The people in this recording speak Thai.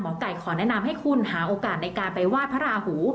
หมอกัยขอแนะนำให้คุณหาโอกาสในการไปวาดพระราหู